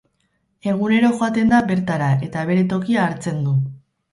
Egunero joaten da bertara eta bere tokia hartzen du.